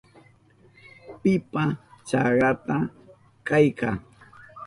¿Pipa chakranta kayka?